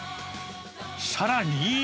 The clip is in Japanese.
さらに。